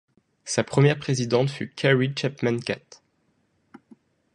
Sa première présidente fut Carrie Chapman Catt.